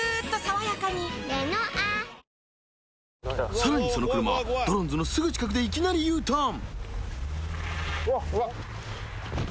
さらにその車はドロンズのすぐ近くでいきなりＵターン。